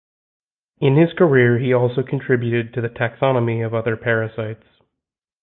In his career he also contributed to the taxonomy of other parasites.